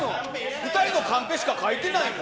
２人のカンペしか書いてないんだもん。